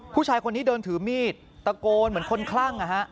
ผู้ชายคนนี้เดินถือมีดตะโกนเหมือนคนคลั่ง